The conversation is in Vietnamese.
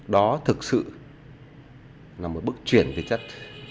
đó thực sự là một bước chuyển về chất